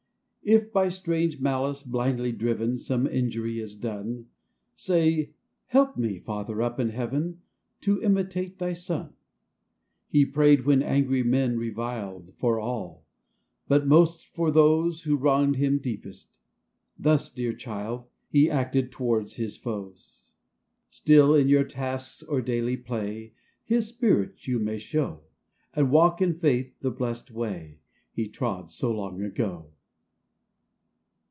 If by strange malice blindly driven, Some injury is done, Say, " Help me, Father up in Heaven ! To imitate Thy Son." He prayed when angry men reviled For all, but most for those Who wronged him deepest ; thus, dear child, He acted towards His foes. GEORGE AND HIS CANARY. 81 Still in your tasks or daily play, His spirit you may show, And walk in faith the blessed way, He trod so long ago